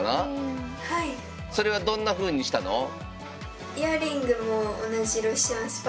それはどんなふうにしたの？